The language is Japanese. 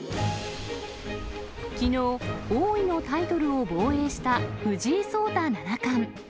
きのう、王位のタイトルを防衛した藤井聡太七冠。